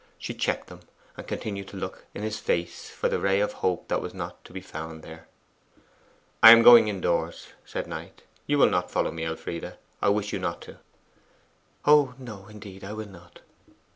She checked them, and continued to look in his face for the ray of hope that was not to be found there. 'I am going indoors,' said Knight. 'You will not follow me, Elfride; I wish you not to.' 'Oh no; indeed, I will not.